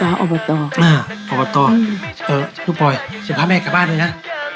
สาวอบต่ออ่าอบต่ออืมเออลูกปล่อยเดี๋ยวพาแม่กลับบ้านด้วยน่ะ